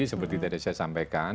seperti tadi saya sampaikan